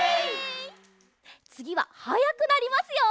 つぎははやくなりますよ！